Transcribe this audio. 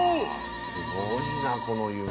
すごいなこの夢。